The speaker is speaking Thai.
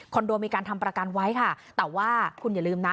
โดมีการทำประกันไว้ค่ะแต่ว่าคุณอย่าลืมนะ